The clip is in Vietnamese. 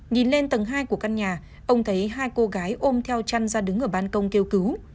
nhìn lên tầng hai của căn nhà ông thấy hai cô gái ôm theo chăn ra đứng ở ban công kêu cứu